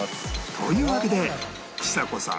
というわけでちさ子さんお見事！